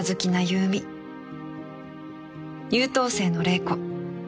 優等生の玲子